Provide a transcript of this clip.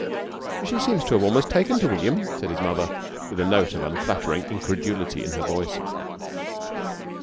"She seems to have almost taken to William," said his mother, with a note of unflattering incredulity in her voice.